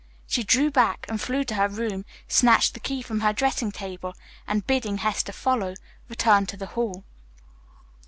She drew back and flew to her room, snatched the key from her dressing table, and, bidding Hester follow, returned to the hall.